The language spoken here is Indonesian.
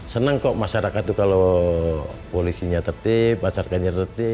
senang kok masyarakat itu kalau polisinya tertib pacarkannya tertib